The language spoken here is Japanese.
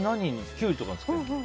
キュウリとかにつけるの？